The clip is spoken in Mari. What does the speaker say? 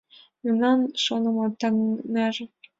Мемнан шонымо таҥнаже